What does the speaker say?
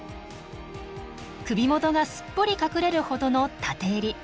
首元がすっぽり隠れるほどの立て襟。